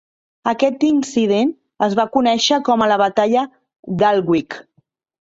Aquest incident es va conèixer com la batalla d'Alnwick.